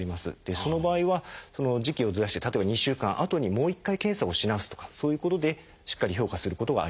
その場合は時期をずらして例えば２週間あとにもう一回検査をし直すとかそういうことでしっかり評価することはあります。